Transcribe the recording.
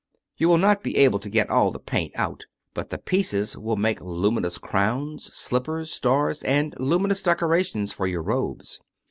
You will not be able to get all the paint out, but the pieces will make luminous crowns, slippers, stars, and luminous decorations for your robes.